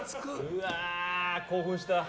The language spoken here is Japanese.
うわ、興奮した。